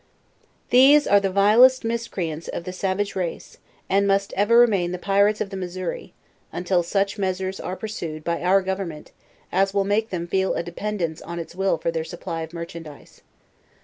These are the vilest miscreants of the savage race, and must ever remain the pirates of the Missouri, until such measure's are pursued, by our government, as will make them ibel a dependence on its will for their supply of merchandise.